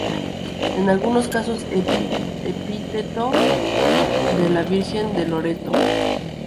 Es en algunos casos epíteto de la Virgen de Loreto.